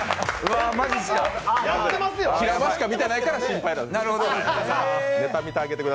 平場しか見てないから心配。